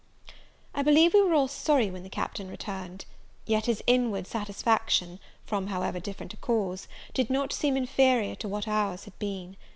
I believe we were all sorry when the Captain returned; yet his inward satisfaction, from however different a cause, did not seem inferior to what our's had been.